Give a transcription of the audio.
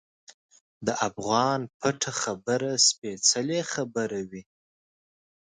د افغان پټه خبره سپیڅلې خبره وي.